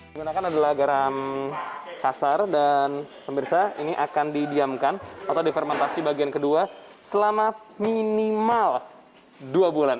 digunakan adalah garam kasar dan pemirsa ini akan didiamkan atau difermentasi bagian kedua selama minimal dua bulan